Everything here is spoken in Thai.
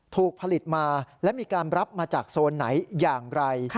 ถูกผลิตมาและมีการรับมาจากโซนไหนอย่างไร